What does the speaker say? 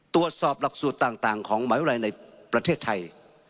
ตรวจสอบหลักสูตรต่างของมหาวิทยาลัยในประเทศไทย